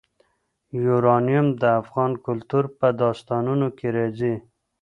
یورانیم د افغان کلتور په داستانونو کې راځي.